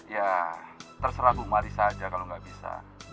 ya terserah bu marissa aja kalo gak bisa